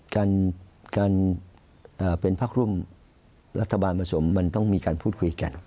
การเป็นพักร่วมรัฐบาลผสมมันต้องมีการพูดคุยกัน